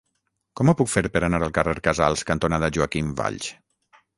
Com ho puc fer per anar al carrer Casals cantonada Joaquim Valls?